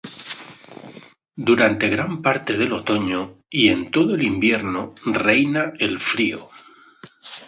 Durante gran parte del otoño y en todo el invierno reina el frío.